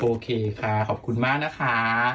โอเคค่ะขอบคุณมากนะคะ